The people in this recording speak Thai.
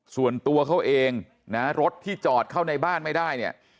ส่วนตัวเขาเองนะรถที่จอดเข้าในบ้านไม่ได้เนี่ย